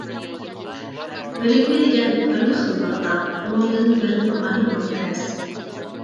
بىرىكمە دېگەن بىرلا خىل ماددا، ئۇنىڭدىن بىرنېمە ئايرىماق تەس.